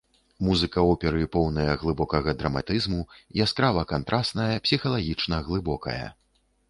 Музыка оперы поўная глыбокага драматызму, яскрава кантрасная, псіхалагічна глыбокая.